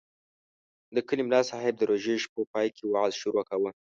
د کلي ملاصاحب د روژې شپو پای کې وعظ شروع کاوه.